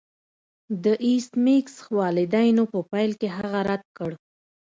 د ایس میکس والدینو په پیل کې هغه رد کړ